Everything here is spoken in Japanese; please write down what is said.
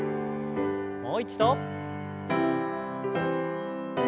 もう一度。